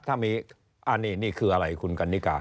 ถ้ามีอันนี้นี่คืออะไรคุณกันนิกา